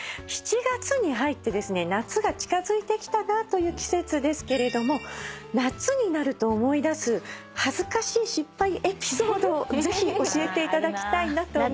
７月に入って夏が近づいてきたなという季節ですけれども夏になると思い出す恥ずかしい失敗エピソードをぜひ教えていただきたいなと思います。